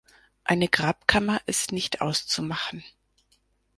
Eine Grabkammer ist nicht auszumachen.